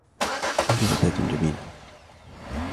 أنت فتاة جميلة.